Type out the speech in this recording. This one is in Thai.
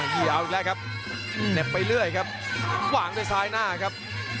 เกี่ยวเอาอีกแล้วครับเหน็บไปเรื่อยครับวางด้วยซ้ายหน้าครับ